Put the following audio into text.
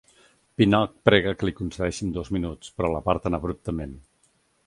Pinnock prega que li concedeixen dos minuts, però l'aparten abruptament.